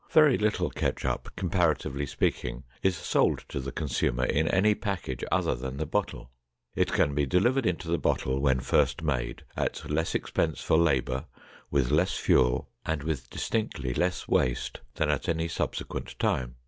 Very little ketchup, comparatively speaking, is sold to the consumer in any package other than the bottle. It can be delivered into the bottle when first made, at less expense for labor, with less fuel, and with distinctly less waste than at any subsequent time.